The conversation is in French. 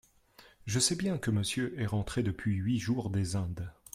Je sais bien que Monsieur est rentré depuis huit jours des Indes.